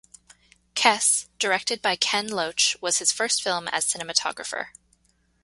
"Kes", directed by Ken Loach, was his first film as cinematographer.